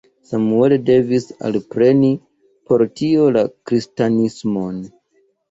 Samuel devis alpreni por tio la kristanismon.